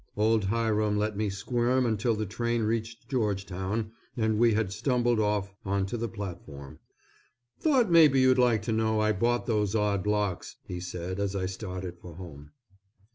Old Hiram let me squirm until the train reached Georgetown and we had stumbled off on to the platform. "Thought maybe you'd like to know I bought those odd blocks," he said as I started for home.